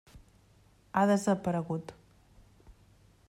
Ha desaparegut.